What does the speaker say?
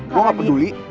gue gak peduli